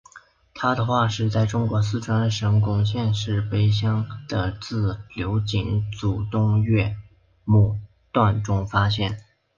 它的化石在中国四川省珙县石碑乡的自流井组东岳庙段中发现。